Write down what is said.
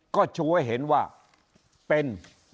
ก็ช่วยเห็นว่าเป็น